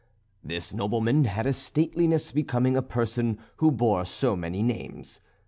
This nobleman had a stateliness becoming a person who bore so many names.